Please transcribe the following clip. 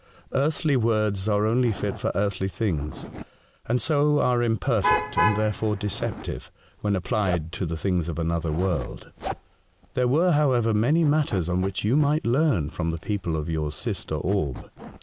Earthly words are only fit for earthly things, and so are im 152 A Voyage to Other Worlds, perfect and, therefore, deceptive, when applied CO the things of another world. There were, however, many matters on which you might learn from the people of your sister orb.